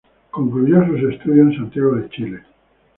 Concluyó sus estudios en Santiago de Chile.